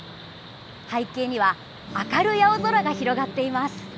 背景には明るい青空が広がっています。